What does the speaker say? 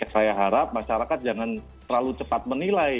saya harap masyarakat jangan terlalu cepat menilai